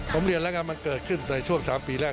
ผมเรียนแล้วกันมันเกิดขึ้นในช่วง๓ปีแรก